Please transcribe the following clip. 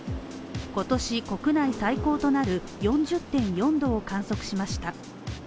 今年、国内最高となる４０．４度を観測しました。